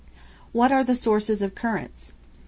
What are the sources of currents?